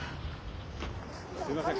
すいません。